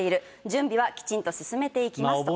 準備はきちんと進めていきますと。